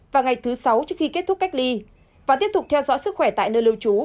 và ngày thứ sáu trước khi kết thúc cách ly và tiếp tục theo dõi sức khỏe tại nơi lưu trú